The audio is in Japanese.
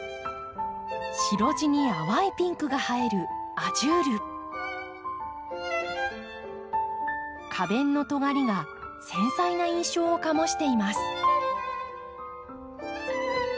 白地に淡いピンクが映える花弁のとがりが繊細な印象を醸しています。